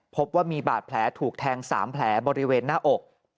พบว่ามีบาดแผลถูกแทง๓แผลบริเวณหน้าอก